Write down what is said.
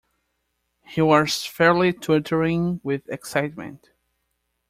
He was fairly twittering with excitement.